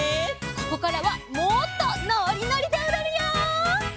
ここからはもっとのりのりでおどるよ！